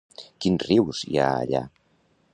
Quins rius hi ha allà?